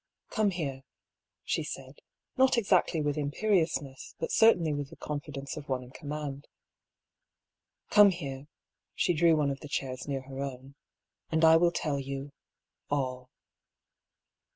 " Come here," she said, not exactly with imperious ness, but certainly with the confidence of one in com mand. " Come here " (she drew one of the chairs near her own), " and I will tell you — all."